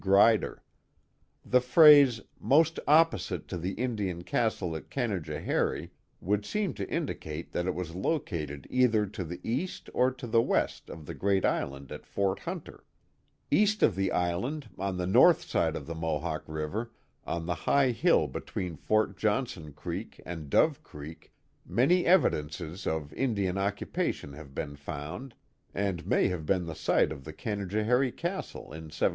Grider. The phrase "most opposite to the Indian castle at Canajohary," would seem to indicate that it was located either to the east or to the west of the great island at Fort Hunter, East of the island, on the north side of the Mohawk River, on the high hill between Fort Johnson Creek and Dove Creek, many evidences of Indian occupation have been found, and may have been the site of the Canajohary Castle in 1720.